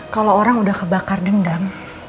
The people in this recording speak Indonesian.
kalau orang udah kebakar dendam